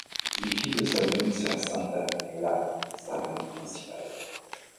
Il fit de sa demi-sœur Sanda Min Hla sa reine principale.